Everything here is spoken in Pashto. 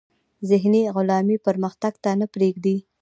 ذهني غلامي پرمختګ ته نه پریږدي.